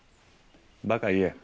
ばか言え。